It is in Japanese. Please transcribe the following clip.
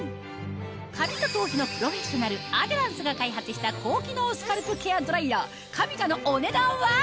髪と頭皮のプロフェッショナルアデランスが開発した高機能スカルプケアドライヤーカミガのお値段は？